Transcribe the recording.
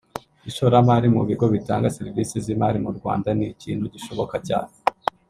Ishoramari mu bigo bitanga serivisi z’imari mu Rwanda ni ikintu gishoboka cyane